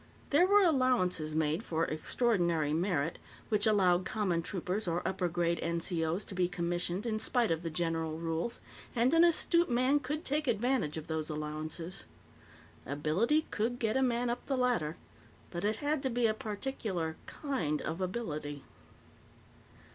There were allowances made for "extraordinary merit," which allowed common troopers or upper grade NCO's to be commissioned in spite of the general rules, and an astute man could take advantage of those allowances. Ability could get a man up the ladder, but it had to be a particular kind of ability.